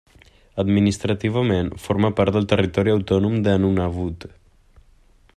Administrativament, forma part del territori autònom de Nunavut.